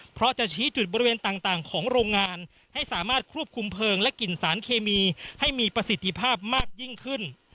เพราะจะชี้จุดบริเวณต่างของโรงงานให้สามารถควบคุมเพลิงและกลิ่นสารเคมีให้มีประสิทธิภาพมากยิ่งขึ้น